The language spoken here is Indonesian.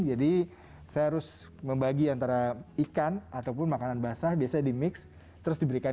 jadi saya harus membagi antara ikan ataupun makanan basah bisa di mix terus diberikan